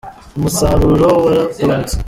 Umusaruro waragabanutse.